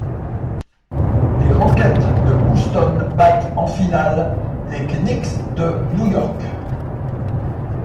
Les Rockets de Houston battent en finale les Knicks de New York.